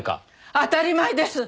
当たり前です。